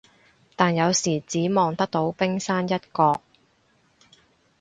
但有時只望得到冰山一角